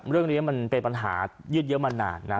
เรื่องนี้มันเป็นปัญหายืดเยอะมานานนะ